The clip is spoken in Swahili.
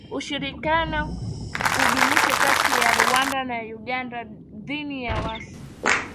Ushirikiano udumishwe kati ya Rwanda na Uganda dhidi ya waasi